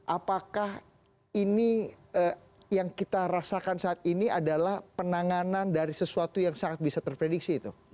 apakah ini yang kita rasakan saat ini adalah penanganan dari sesuatu yang sangat bisa terprediksi itu